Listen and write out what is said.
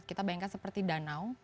kita bayangkan seperti danau